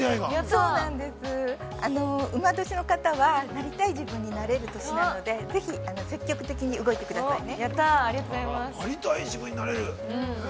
◆うま年の方は、なりたい自分になれるんで、ぜひ、積極的に動いてくださいね。